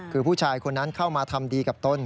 คือผู้ชายคนนั้นเข้ามาทำดีกับตน